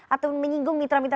atau menyinggung mitra mitra